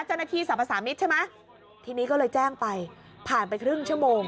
เจ้าหน้าที่สรรพสามิตรใช่ไหมทีนี้ก็เลยแจ้งไปผ่านไปครึ่งชั่วโมง